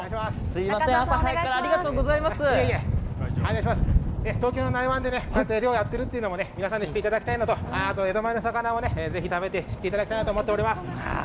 いえいえ、東京の内湾でね、漁やっているっていうのも、皆さんに知っていただきたいのと、江戸前の魚を皆さんに食べて知っていただきたいと思います。